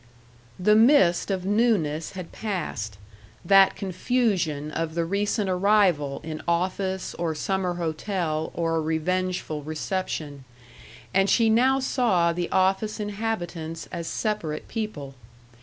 § 2 The mist of newness had passed, that confusion of the recent arrival in office or summer hotel or revengeful reception; and she now saw the office inhabitants as separate people.